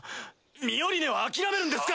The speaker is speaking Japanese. ミオリネは諦めるんですか